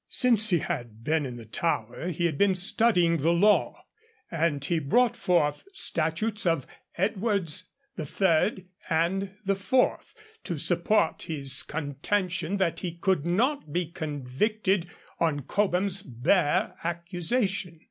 Since he had been in the Tower he had been studying the law, and he brought forward statutes of Edwards III. and IV. to support his contention that he could not be convicted on Cobham's bare accusation.